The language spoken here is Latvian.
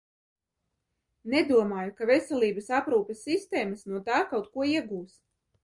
Nedomāju, ka veselības aprūpes sistēmas no tā kaut ko iegūs.